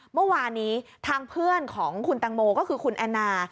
เมื่อวานนี้ทางเพื่อนของคุณตังโมก็คือคุณแอนนา